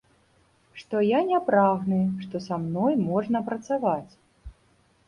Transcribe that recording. Што я не прагны, што са мной можна працаваць.